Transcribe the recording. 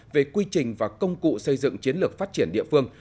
về quy trình và công cụ xây dựng chiến lược phát triển địa phương